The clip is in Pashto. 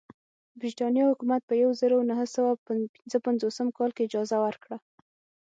برېټانیا حکومت په یوه زرو نهه سوه پنځه پنځوسم کال کې اجازه ورکړه.